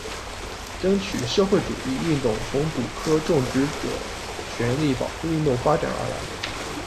争取社会主义运动从古柯种植者权利保护运动发展而来。